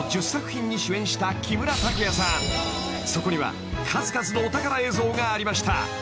［そこには数々のお宝映像がありました］